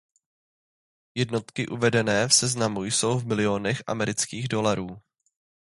Jednotky uvedené v seznamu jsou v milionech amerických dolarů.